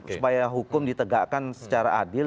supaya hukum ditegakkan secara adil